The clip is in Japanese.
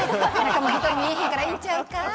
見えへんからいいんちゃうか？